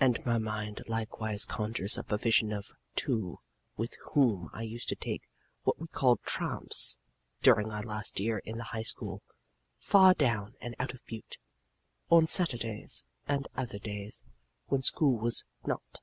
"And my mind likewise conjures up a vision of two with whom I used to take what we called tramps, during our last year in the High School far down and out of Butte, on Saturdays and other days when school was not.